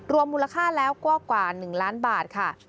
มูลค่าแล้วก็กว่า๑ล้านบาทค่ะ